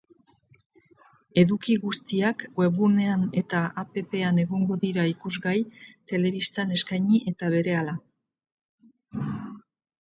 Eduki guztiak webgunean eta app-an egongo dira ikusgai telebistan eskaini eta berehala.